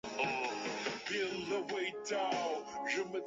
其个人倾向于支持本土立场。